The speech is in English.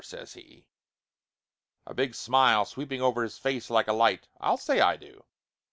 says he, a big smile sweeping over his face like a light. "I'll say I do!"